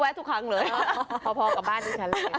พอแวะทุกครั้งเลยพอกลับบ้านที่ชาเล